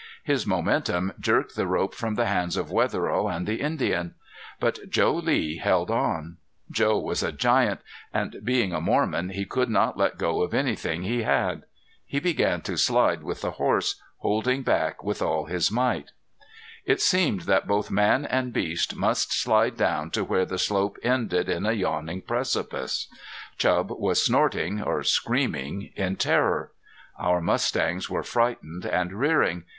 His momentum jerked the rope from the hands of Wetherill and the Indian. But Joe Lee held on. Joe was a giant and being a Mormon he could not let go of anything he had. He began to slide with the horse, holding back with all his might. [Illustration: THE WIND WORN TREACHEROUS SLOPES ON THE WAY TO NONNEZOSHE] It seemed that both man and beast must slide down to where the slope ended in a yawning precipice. Chub was snorting or screaming in terror. Our mustangs were frightened and rearing.